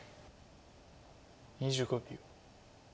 ２５秒。